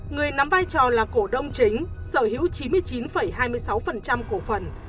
người nắm vai trò là cổ đông chính sở hữu chín mươi chín hai mươi sáu cổ phần